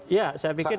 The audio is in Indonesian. iya saya pikir begini